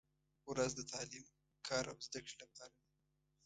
• ورځ د تعلیم، کار او زدهکړې لپاره ده.